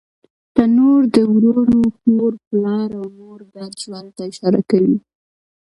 تنور د ورور، خور، پلار او مور ګډ ژوند ته اشاره کوي